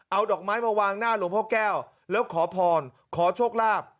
เอาดอกไม้มาวางหน้าหลวงพ่อแก้วแล้วขอพรขอโชคลาภ